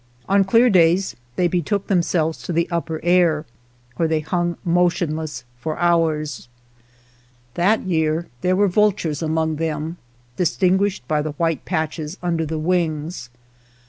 On clear days they betook them selves to the upper air, where they hung motionless for hours. That year there were vultures among them, distinguished by the white patches under the wings.